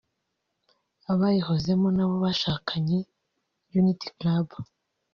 abayihozemo n’abo bashakanye “Unity Club”